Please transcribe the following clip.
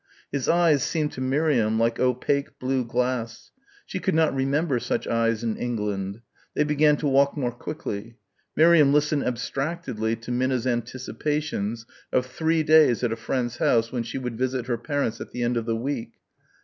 His eyes seemed to Miriam like opaque blue glass. She could not remember such eyes in England. They began to walk more quickly. Miriam listened abstractedly to Minna's anticipations of three days at a friend's house when she would visit her parents at the end of the week.